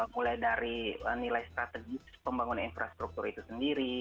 mulai dari nilai strategis pembangunan infrastruktur itu sendiri